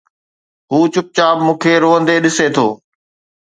هو چپ چاپ مون کي روئيندي ڏسي ٿو